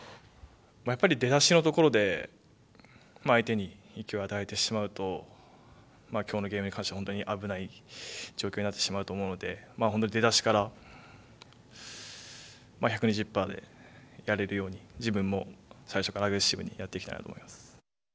やっぱり出だしのところで相手に勢いを与えてしまうときょうのゲームに関しては本当に危ない状況になってしまうと思うので本当に出だしから１２０％でやれるように自分も最初からアグレッシブにやっていきたいなと思います。